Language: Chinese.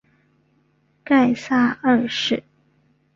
盖萨二世。